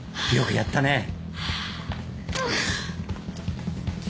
よくやったね。